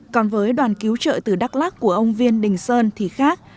còn với đoàn cứu trợ từ đắk lắc của ông viên đình sơn thì khác